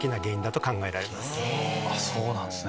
そうなんすね。